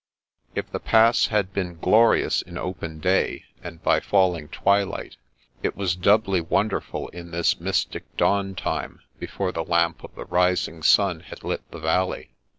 If the Pass had been glorious in open day, and by falling twilight, it was doubly wonderful in this mystic dawn time before the lamp of the rising sun had lit the valley.